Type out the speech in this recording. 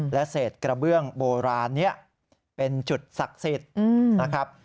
และเศษกระเบื้องโบราณนี้เป็นจุดศักดิ์สิทธิ์นะครับ